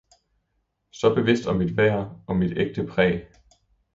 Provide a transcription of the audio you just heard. så bevidst om mit værd og mit ægte præg.